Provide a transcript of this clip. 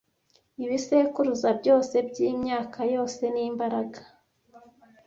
Ibisekuruza byose byimyaka yose n'imbaraga;